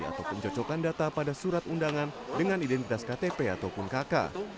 atau pencocokan data pada surat undangan dengan identitas ktp ataupun kk